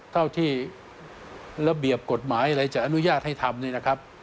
เท่าที่ระเบียบกฎหมายอะไรจะอนุญาตให้ทำเนี่ยนะครับ